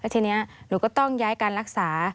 ทีนี้หนูก็ต้องย้ายการรักษา